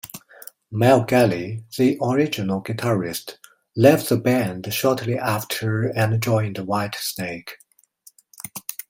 Mel Galley, the original guitarist, left the band shortly after and joined Whitesnake.